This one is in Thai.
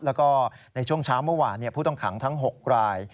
แล้วก็ในช่วงเช้าเมื่อวานผู้ต้องขังทั้ง๖ราย